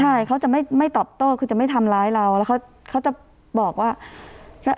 ใช่เขาจะไม่ตอบโต้คือจะไม่ทำร้ายเราแล้วเขาจะบอกว่า